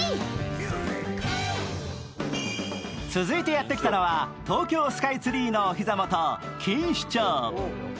続いてやってきたのは東京スカイツリーのお膝元・錦糸町